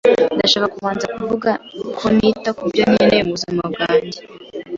Ndashaka kubanza kuvuga ko nita ku byo nemeye mu buzima bwanjye.